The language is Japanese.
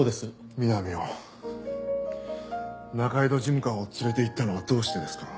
みなみを仲井戸事務官を連れていったのはどうしてですか？